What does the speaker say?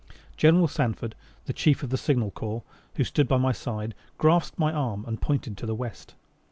General Sanford, the Chief of the Signal Corps, who stood by my side, grasped my arm, and pointed to the west.